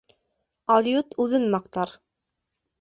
Алйот үҙен маҡтар.